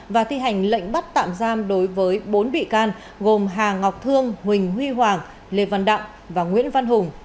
và thi hành lệnh bắt tạm giam đối với bốn bị can gồm hà ngọc thương huỳnh huy hoàng lê văn đặng và nguyễn văn hùng